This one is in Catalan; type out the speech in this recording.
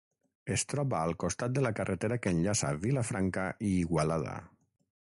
Es troba al costat de la carretera que enllaça Vilafranca i Igualada.